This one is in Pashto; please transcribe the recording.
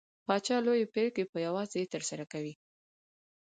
پاچا لوې پرېکړې په يوازې سر سره کوي .